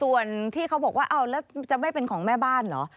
ส่วนที่เขาบอกว่าเอาแล้วจะไม่เป็นของแม่บ้านเหรอ